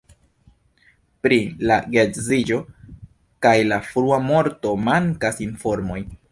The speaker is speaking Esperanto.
Pri la geedziĝo kaj la frua morto mankas informoj.